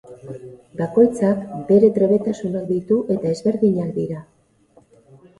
Bakoitzak bere trebetasunak ditu eta ezberdinak dira.